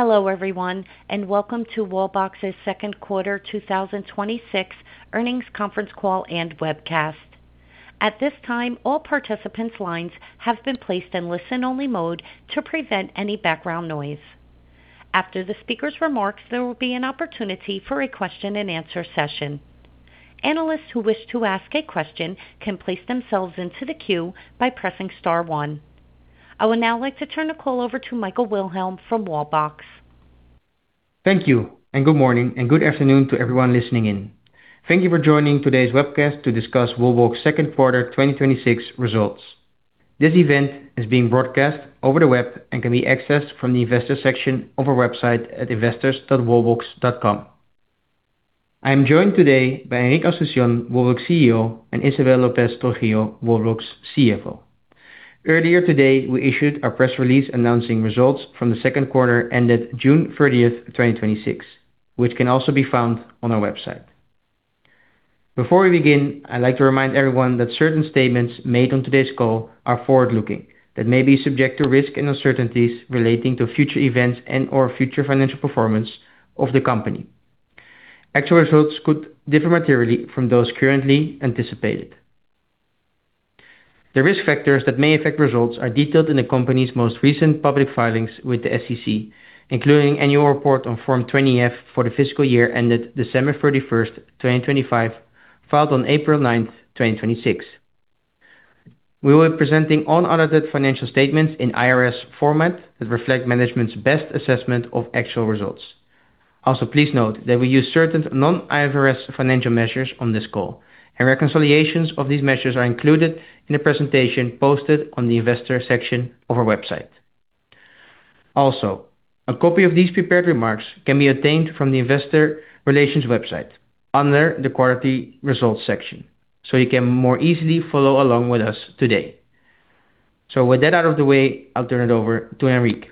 Hello everyone, welcome to Wallbox's Second Quarter 2026 Earnings Conference Call and Webcast. At this time, all participants' lines have been placed in listen-only mode to prevent any background noise. After the speaker's remarks, there will be an opportunity for a question and answer session. Analysts who wish to ask a question can place themselves into the queue by pressing star one. I would now like to turn the call over to Michael Wilhelm from Wallbox. Thank you, good morning, good afternoon to everyone listening in. Thank you for joining today's webcast to discuss Wallbox Second Quarter 2026 Results. This event is being broadcast over the web and can be accessed from the investors section of our website at investors.wallbox.com. I am joined today by Enric Asunción, Wallbox CEO, and Isabel López Trujillo, Wallbox CFO. Earlier today, we issued a press release announcing results from the second quarter ended June 30th, 2026, which can also be found on our website. Before we begin, I'd like to remind everyone that certain statements made on today's call are forward-looking, that may be subject to risks and uncertainties relating to future events and/or future financial performance of the company. Actual results could differ materially from those currently anticipated. The risk factors that may affect results are detailed in the company's most recent public filings with the SEC, including annual report on Form 20-F for the fiscal year ended December 31st, 2025, filed on April 9th, 2026. We will be presenting unaudited financial statements in IFRS format that reflect management's best assessment of actual results. Also, please note that we use certain non-IFRS financial measures on this call, reconciliations of these measures are included in the presentation posted on the investor section of our website. A copy of these prepared remarks can be obtained from the investor relations website under the quarterly results section. You can more easily follow along with us today. With that out of the way, I'll turn it over to Enric.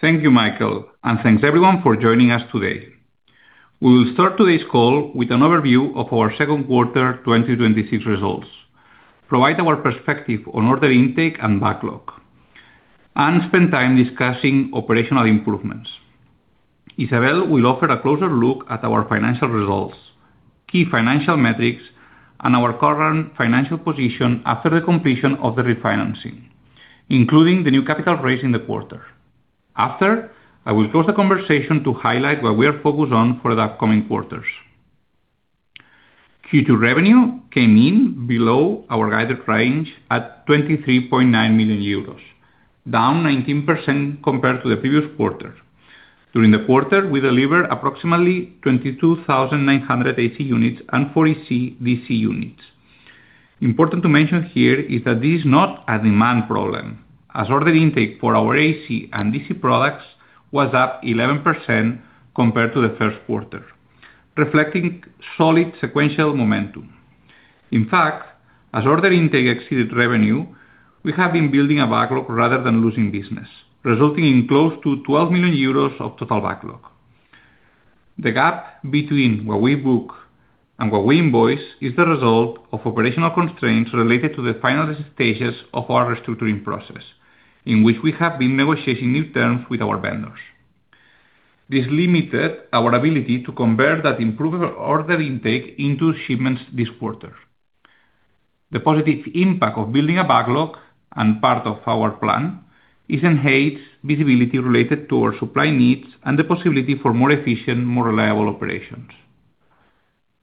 Thank you, Michael. Thanks everyone for joining us today. We will start today's call with an overview of our second quarter 2026 results, provide our perspective on order intake and backlog, and spend time discussing operational improvements. Isabel will offer a closer look at our financial results, key financial metrics, and our current financial position after the completion of the refinancing, including the new capital raised in the quarter. After, I will close the conversation to highlight what we are focused on for the upcoming quarters. Q2 revenue came in below our guided range at 23.9 million euros, down 19% compared to the previous quarter. During the quarter, we delivered approximately 22,980 units and 40 DC units. Important to mention here is that this is not a demand problem, as order intake for our AC and DC products was up 11% compared to the first quarter, reflecting solid sequential momentum. In fact, as order intake exceeded revenue, we have been building a backlog rather than losing business, resulting in close to 12 million euros of total backlog. The gap between what we book and what we invoice is the result of operational constraints related to the final stages of our restructuring process, in which we have been negotiating new terms with our vendors. This limited our ability to convert that improved order intake into shipments this quarter. The positive impact of building a backlog and part of our plan is enhanced visibility related to our supply needs and the possibility for more efficient, more reliable operations.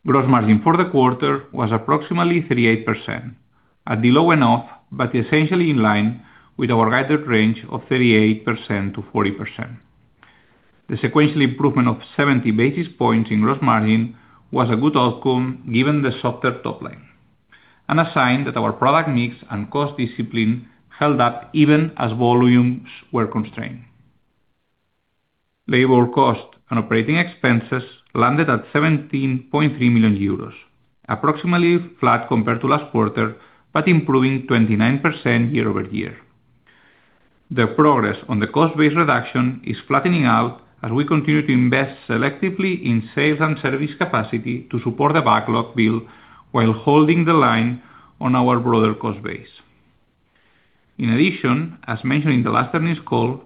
Gross margin for the quarter was approximately 38%, at the low end of, but essentially in line with our guided range of 38%-40%. The sequential improvement of 70 basis points in gross margin was a good outcome, given the softer top line, and a sign that our product mix and cost discipline held up even as volumes were constrained. Labor cost and operating expenses landed at 17.3 million euros, approximately flat compared to last quarter, but improving 29% year-over-year. The progress on the cost-based reduction is flattening out as we continue to invest selectively in sales and service capacity to support the backlog build while holding the line on our broader cost base. In addition, as mentioned in the last earnings call,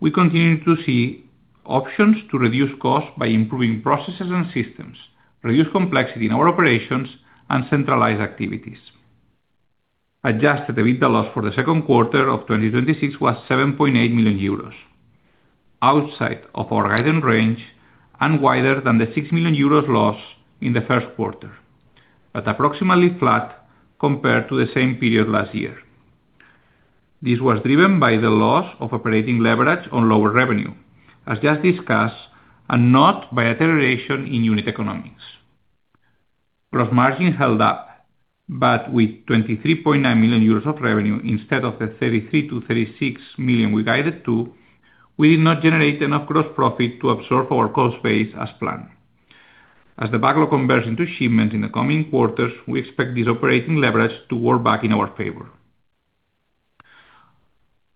we continue to see options to reduce costs by improving processes and systems, reduce complexity in our operations, and centralize activities. Adjusted EBITDA loss for the second quarter of 2026 was 7.8 million euros, outside of our guided range and wider than the 6 million euros loss in the first quarter, but approximately flat compared to the same period last year. This was driven by the loss of operating leverage on lower revenue, as just discussed, and not by deterioration in unit economics. Gross margin held up, but with 23.9 million euros of revenue instead of the 33 million-36 million we guided to, we did not generate enough gross profit to absorb our cost base as planned. As the backlog converts into shipments in the coming quarters, we expect this operating leverage to work back in our favor.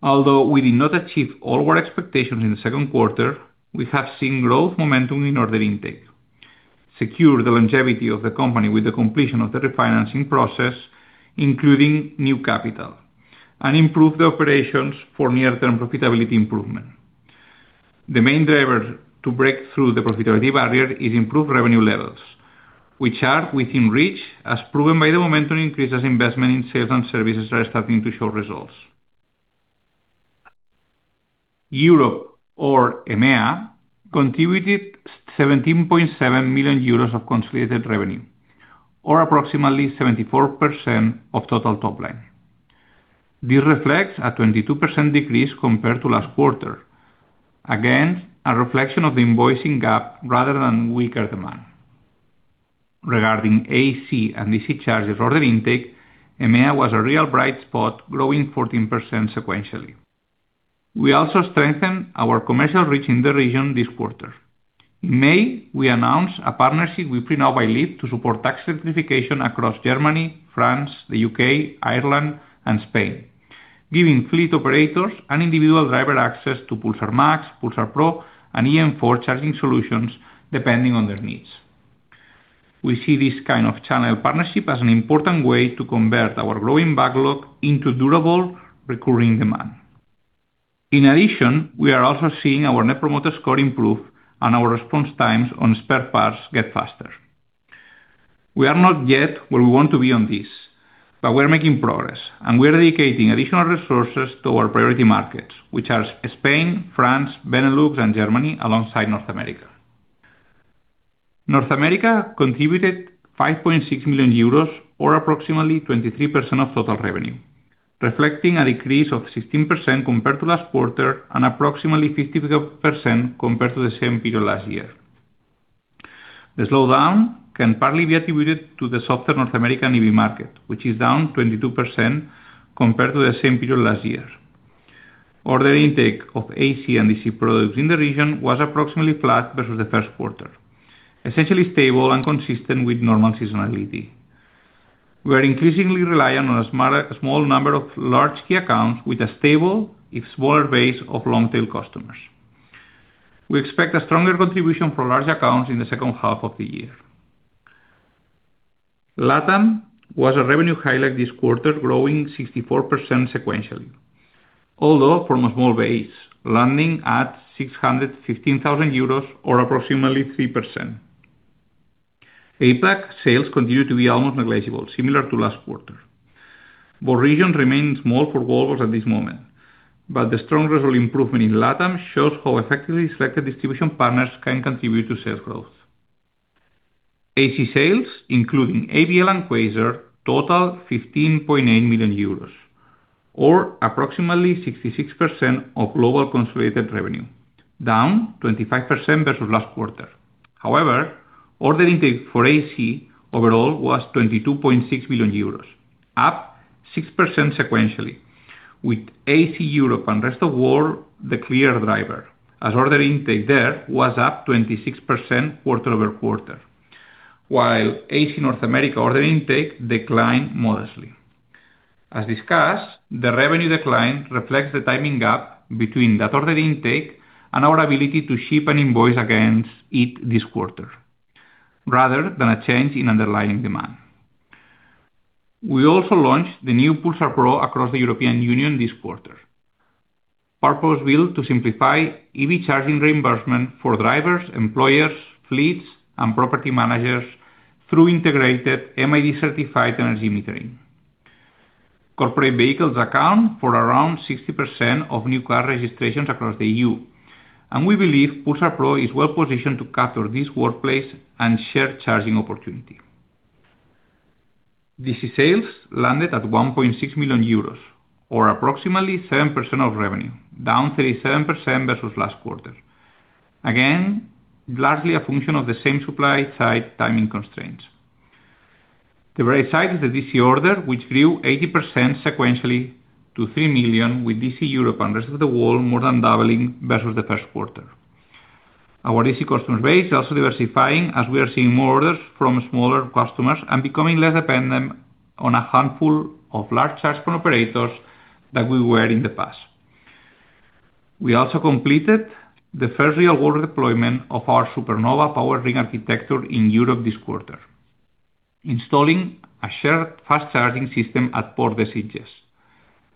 Although we did not achieve all our expectations in the second quarter, we have seen growth momentum in order intake, secured the longevity of the company with the completion of the refinancing process, including new capital, and improve the operations for near-term profitability improvement. The main driver to break through the profitability barrier is improved revenue levels, which are within reach, as proven by the momentum increase as investment in sales and services are starting to show results. Europe, or EMEA, contributed 17.7 million euros of consolidated revenue, or approximately 74% of total top line. This reflects a 22% decrease compared to last quarter, again, a reflection of the invoicing gap rather than weaker demand. Regarding AC and DC charges order intake, EMEA was a real bright spot, growing 14% sequentially. We also strengthened our commercial reach in the region this quarter. In May, we announced a partnership with Freenow by Lyft to support taxi electrification across Germany, France, the U.K., Ireland, and Spain, giving fleet operators and individual driver access to Pulsar Max, Pulsar Pro, and eM4 charging solutions depending on their needs. We see this kind of channel partnership as an important way to convert our growing backlog into durable, recurring demand. In addition, we are also seeing our net promoter score improve and our response times on spare parts get faster. We are not yet where we want to be on this, but we're making progress, and we're dedicating additional resources to our priority markets, which are Spain, France, Benelux, and Germany, alongside North America. North America contributed 5.6 million euros, or approximately 23% of total revenue, reflecting a decrease of 16% compared to last quarter and approximately 50% compared to the same period last year. The slowdown can partly be attributed to the softer North American EV market, which is down 22% compared to the same period last year. Order intake of AC and DC products in the region was approximately flat versus the first quarter, essentially stable and consistent with normal seasonality. We're increasingly reliant on a small number of large key accounts with a stable, if smaller, base of long-tail customers. We expect a stronger contribution from large accounts in the second half of the year. LATAM was a revenue highlight this quarter, growing 64% sequentially. Although from a small base, landing at 615,000 euros, or approximately 3%. APAC sales continue to be almost negligible, similar to last quarter. Both regions remain small for Wallbox at this moment, but the strong revenue improvement in LATAM shows how effectively selected distribution partners can contribute to sales growth. AC sales, including ABL and Quasar, total 15.8 million euros, or approximately 66% of global consolidated revenue, down 25% versus last quarter. Order intake for AC overall was 22.6 million euros, up 6% sequentially, with AC Europe and rest of world the clear driver, as order intake there was up 20% quarter-over-quarter, while AC North America order intake declined modestly. As discussed, the revenue decline reflects the timing gap between that order intake and our ability to ship and invoice against it this quarter rather than a change in underlying demand. We also launched the new Pulsar Pro across the European Union this quarter. Purpose-built to simplify EV charging reimbursement for drivers, employers, fleets, and property managers through integrated MID-certified energy metering. Corporate vehicles account for around 60% of new car registrations across the EU, we believe Pulsar Pro is well positioned to capture this workplace and share charging opportunity. DC sales landed at 1.6 million euros, or approximately 7% of revenue, down 37% versus last quarter. Again, largely a function of the same supply-side timing constraints. The bright side is the DC order, which grew 80% sequentially to 3 million, with DC Europe and rest of the world more than doubling versus the first quarter. Our DC customer base is also diversifying, as we are seeing more orders from smaller customers and becoming less dependent on a handful of large charge point operators than we were in the past. We also completed the first real-world deployment of our Supernova power sharing architecture in Europe this quarter, installing a shared fast charging system at Port de Sitges.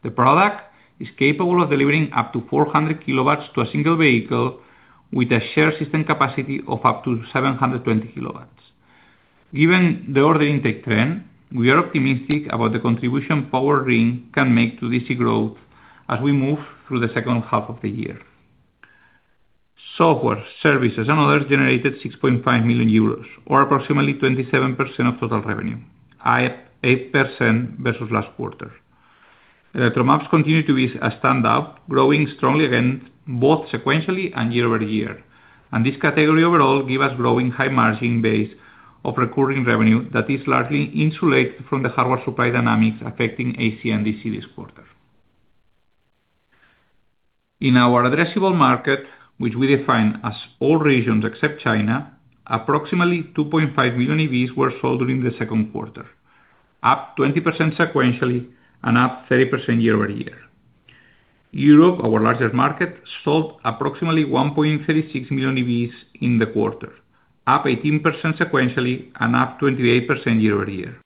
The product is capable of delivering up to 400 kW to a single vehicle with a shared system capacity of up to 720 kW. Given the order intake trend, we are optimistic about the contribution power sharing can make to DC growth as we move through the second half of the year. Software, services, and others generated 6.5 million euros, or approximately 27% of total revenue, up 8% versus last quarter. Electromaps continue to be a standout, growing strongly again, both sequentially and year-over-year. This category overall give us growing high margin base of recurring revenue that is largely insulated from the hardware supply dynamics affecting AC and DC this quarter. In our addressable market, which we define as all regions except China, approximately 2.5 million EVs were sold during the second quarter, up 20% sequentially and up 30% year-over-year. Europe, our largest market, sold approximately 1.36 million EVs in the quarter, up 18% sequentially and up 28% year-over-year.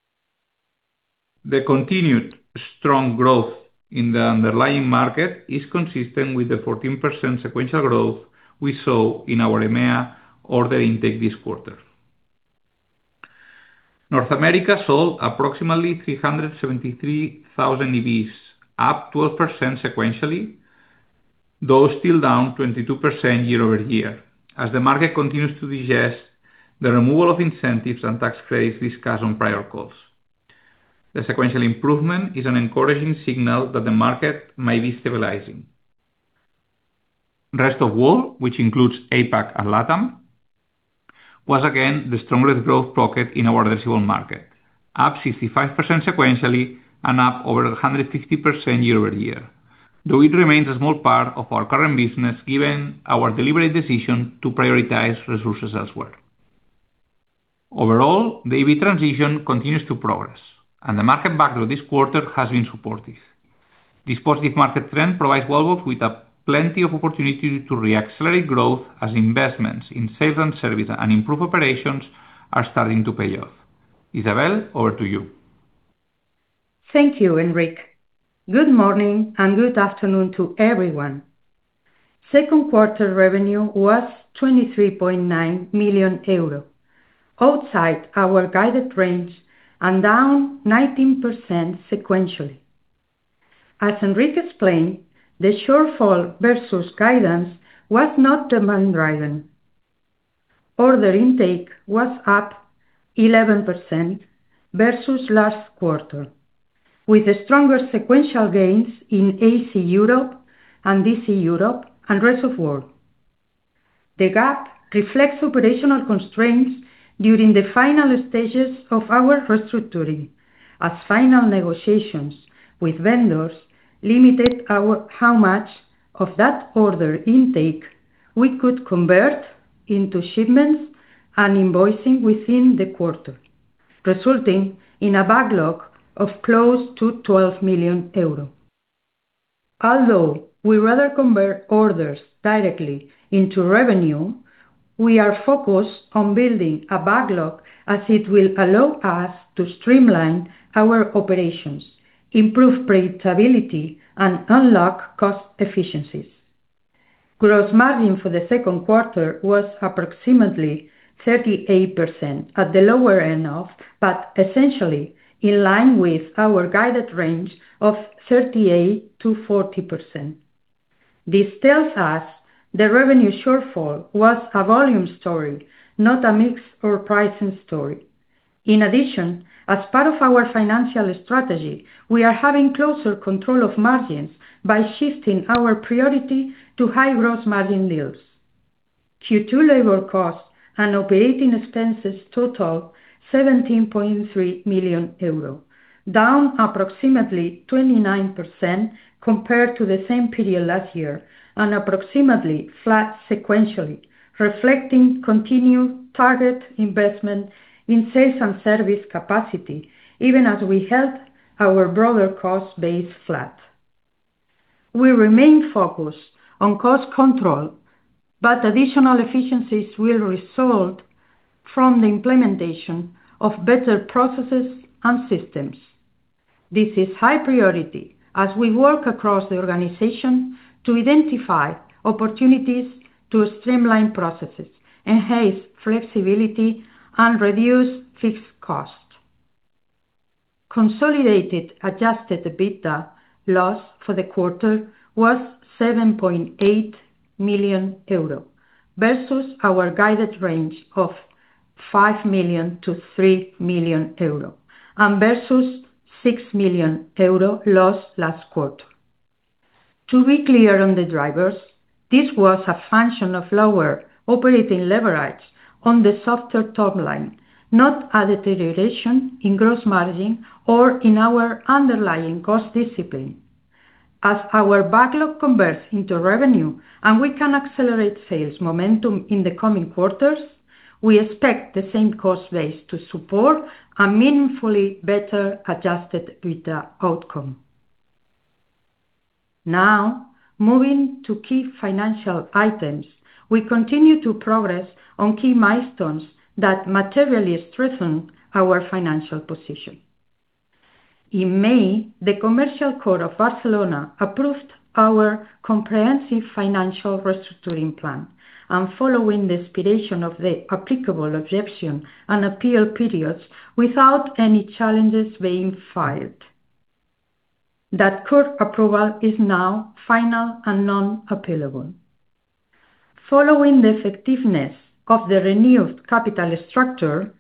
The continued strong growth in the underlying market is consistent with the 14% sequential growth we saw in our EMEA order intake this quarter. North America sold approximately 373,000 EVs, up 12% sequentially, though still down 22% year-over-year, as the market continues to digest the removal of incentives and tax credits discussed on prior calls. The sequential improvement is an encouraging signal that the market may be stabilizing. Rest of World, which includes APAC and LATAM, was again the strongest growth pocket in our addressable market, up 65% sequentially and up over 150% year-over-year, though it remains a small part of our current business given our deliberate decision to prioritize resources elsewhere. Overall, the EV transition continues to progress, and the market backlog this quarter has been supportive. This positive market trend provides Wallbox with plenty of opportunity to re-accelerate growth as investments in sales and service and improved operations are starting to pay off. Isabel, over to you. Thank you, Enric. Good morning and good afternoon to everyone. Second quarter revenue was 23.9 million euro, outside our guided range and down 19% sequentially. As Enric explained, the shortfall versus guidance was not demand-driven. Order intake was up 11% versus last quarter, with stronger sequential gains in AC Europe and DC Europe and Rest of World. The gap reflects operational constraints during the final stages of our restructuring, as final negotiations with vendors limited how much of that order intake we could convert into shipments and invoicing within the quarter, resulting in a backlog of close to 12 million euros. Although we'd rather convert orders directly into revenue, we are focused on building a backlog, as it will allow us to streamline our operations, improve predictability, and unlock cost efficiencies. Gross margin for the second quarter was approximately 38%, at the lower end of, but essentially in line with, our guided range of 38%-40%. This tells us the revenue shortfall was a volume story, not a mix or pricing story. In addition, as part of our financial strategy, we are having closer control of margins by shifting our priority to high-gross-margin deals. Q2 labor costs and operating expenses total 17.3 million euro, down approximately 29% compared to the same period last year and approximately flat sequentially, reflecting continued targeted investment in sales and service capacity, even as we held our broader cost base flat. We remain focused on cost control, but additional efficiencies will result from the implementation of better processes and systems. This is high-priority as we work across the organization to identify opportunities to streamline processes, enhance flexibility, and reduce fixed costs. Consolidated adjusted EBITDA loss for the quarter was 7.8 million euro, versus our guided range of 5 million-3 million euro and versus 6 million euro loss last quarter. To be clear on the drivers, this was a function of lower operating leverage on the softer top line, not a deterioration in gross margin or in our underlying cost discipline. As our backlog converts into revenue and we can accelerate sales momentum in the coming quarters, we expect the same cost base to support a meaningfully better adjusted EBITDA outcome. Moving to key financial items. We continue to progress on key milestones that materially strengthen our financial position. In May, the Commercial Court of Barcelona approved our comprehensive financial restructuring plan and following the expiration of the applicable objection and appeal periods without any challenges being filed. That court approval is now final and non-appealable. Following the effectiveness of the renewed capital structure,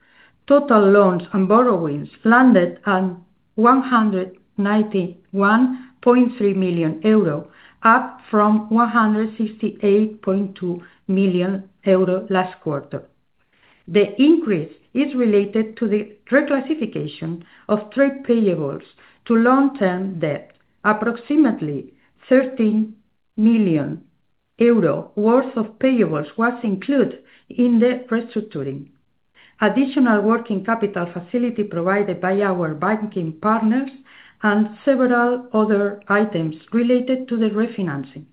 total loans and borrowings landed at 191.3 million euro, up from 168.2 million euro last quarter. The increase is related to the reclassification of trade payables to long-term debt, approximately 13 million euro worth of payables was included in the restructuring. Additional working capital facility provided by our banking partners and several other items related to the refinancing.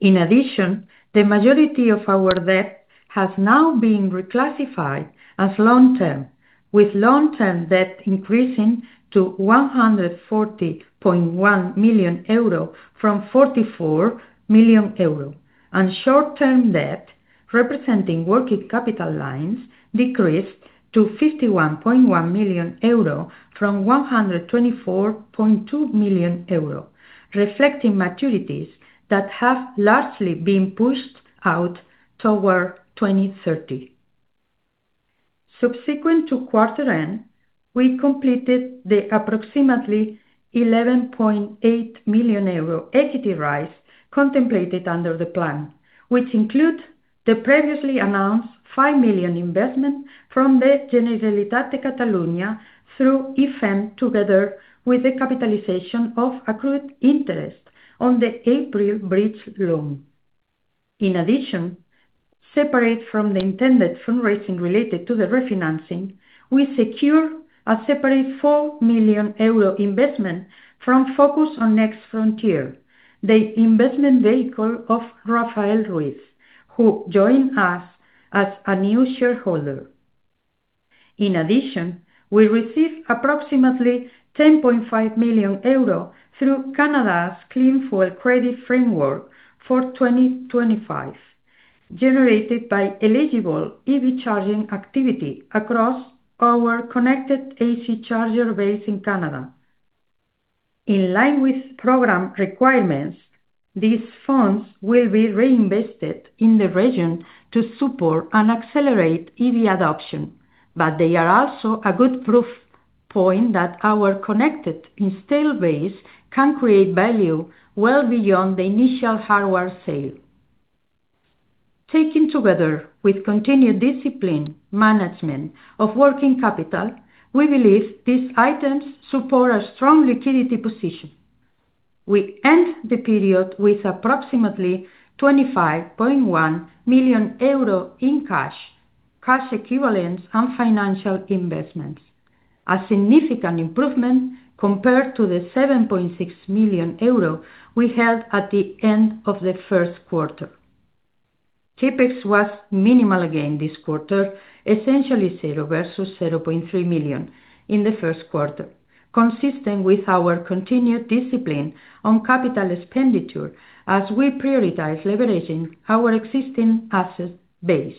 In addition, the majority of our debt has now been reclassified as long-term, with long-term debt increasing to 140.1 million euro from 44 million euro, and short-term debt, representing working capital lines, decreased to 51.1 million euro from 124.2 million euro, reflecting maturities that have largely been pushed out toward 2030. Subsequent to quarter end, we completed the approximately 11.8 million euro equity raise contemplated under the plan, which include the previously announced 5 million investment from the Generalitat de Catalunya through IFEM, together with the capitalization of accrued interest on the April bridge loan. In addition, separate from the intended fundraising related to the refinancing, we secured a separate 4 million euro investment from Focus on Next Frontier, the investment vehicle of Rafael Ruiz, who joined us as a new shareholder. In addition, we received approximately 10.5 million euro through Canada's Clean Fuel Regulations framework for 2025, generated by eligible EV charging activity across our connected AC charger base in Canada. In line with program requirements, these funds will be reinvested in the region to support and accelerate EV adoption, but they are also a good proof point that our connected install base can create value well beyond the initial hardware sale. Taken together with continued discipline management of working capital, we believe these items support a strong liquidity position. We end the period with approximately 25.1 million euro in cash equivalents, and financial investments, a significant improvement compared to the 7.6 million euro we held at the end of the first quarter. CapEx was minimal again this quarter, essentially zero versus 0.3 million in the first quarter, consistent with our continued discipline on capital expenditure as we prioritize leveraging our existing asset base.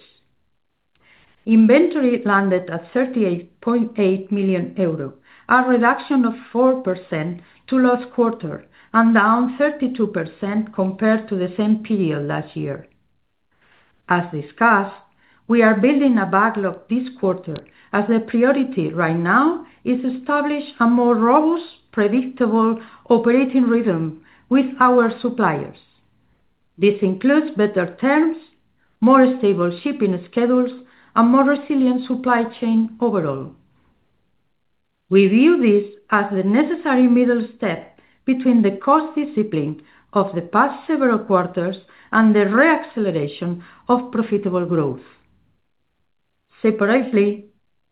Inventory landed at 38.8 million euros, a reduction of 4% to last quarter, and down 32% compared to the same period last year. As discussed, we are building a backlog this quarter as the priority right now is to establish a more robust, predictable operating rhythm with our suppliers. This includes better terms, more stable shipping schedules, and more resilient supply chain overall. We view this as the necessary middle step between the cost discipline of the past several quarters and the re-acceleration of profitable growth. Separately,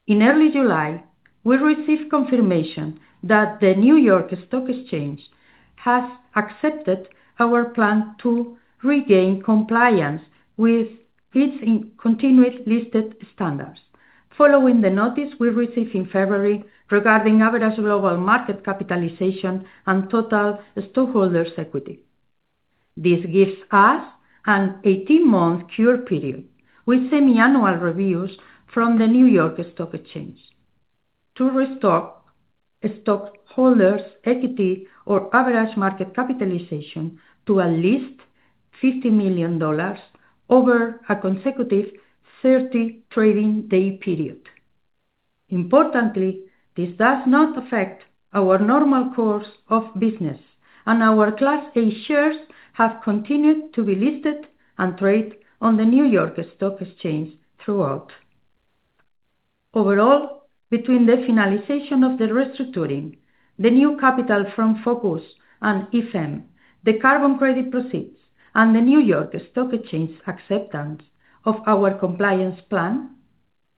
in early July, we received confirmation that the New York Stock Exchange has accepted our plan to regain compliance with its continuous listed standards following the notice we received in February regarding average global market capitalization and total stockholders' equity. This gives us an 18-month cure period with semiannual reviews from the New York Stock Exchange to restore stockholders' equity or average market capitalization to at least $50 million over a consecutive 30 trading day period. Importantly, this does not affect our normal course of business, and our Class A shares have continued to be listed and trade on the New York Stock Exchange throughout. Overall, between the finalization of the restructuring, the new capital from Focus and IFEM, the carbon credit proceeds, and the New York Stock Exchange acceptance of our compliance plan,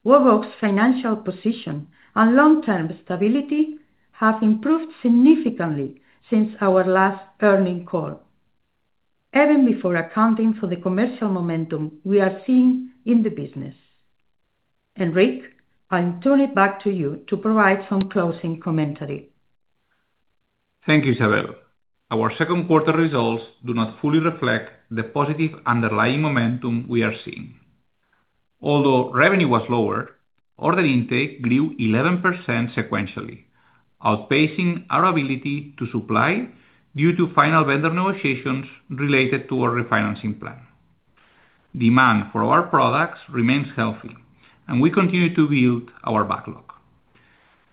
Wallbox financial position and long-term stability have improved significantly since our last earnings call, even before accounting for the commercial momentum we are seeing in the business. Enric, I'll turn it back to you to provide some closing commentary. Thank you, Isabel. Our second quarter results do not fully reflect the positive underlying momentum we are seeing. Although revenue was lower, order intake grew 11% sequentially, outpacing our ability to supply due to final vendor negotiations related to our refinancing plan. Demand for our products remains healthy, and we continue to build our backlog.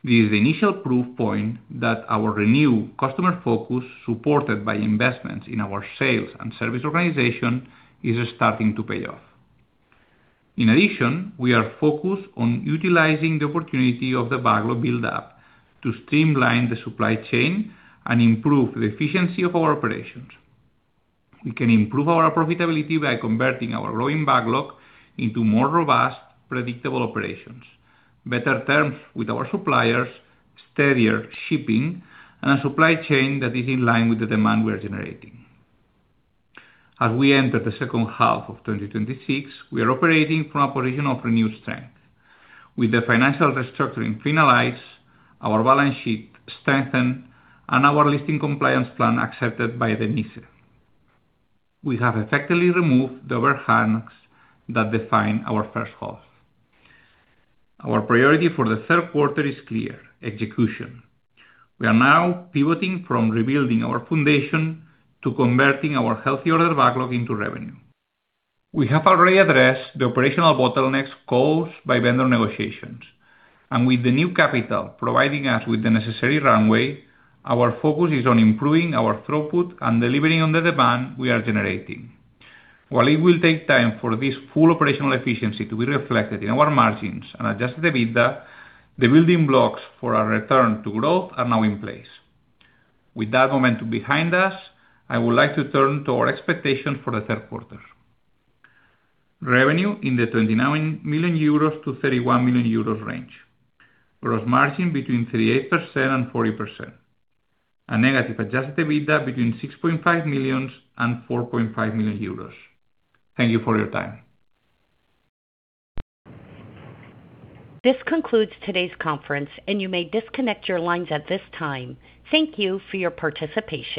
This is the initial proof point that our renewed customer focus, supported by investments in our sales and service organization, is starting to pay off. In addition, we are focused on utilizing the opportunity of the backlog buildup to streamline the supply chain and improve the efficiency of our operations. We can improve our profitability by converting our growing backlog into more robust, predictable operations, better terms with our suppliers, steadier shipping, and a supply chain that is in line with the demand we are generating. As we enter the second half of 2026, we are operating from a position of renewed strength. With the financial restructuring finalized, our balance sheet strengthened, and our listing compliance plan accepted by the NYSE, we have effectively removed the overhangs that defined our first half. Our priority for the third quarter is clear: execution. We are now pivoting from rebuilding our foundation to converting our healthy order backlog into revenue. We have already addressed the operational bottlenecks caused by vendor negotiations, and with the new capital providing us with the necessary runway, our focus is on improving our throughput and delivering on the demand we are generating. While it will take time for this full operational efficiency to be reflected in our margins and adjusted EBITDA, the building blocks for our return to growth are now in place. With that moment behind us, I would like to turn to our expectations for the third quarter. Revenue in the 29 million-31 million euros range. Gross margin between 38% and 40%. A negative adjusted EBITDA between 6.5 million and 4.5 million euros. Thank you for your time. This concludes today's conference. You may disconnect your lines at this time. Thank you for your participation.